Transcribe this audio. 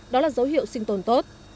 đó là dấu hiệu sinh tồn tốt